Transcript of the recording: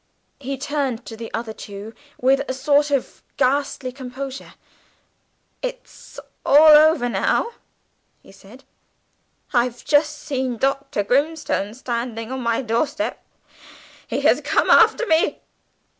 He turned to the other two with a sort of ghastly composure: "It's all over now," he said. "I've just seen Dr. Grimstone standing on my doorstep; he has come after me."